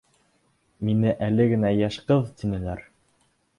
Мине әле генә «йәш ҡыҙ» тинеләр.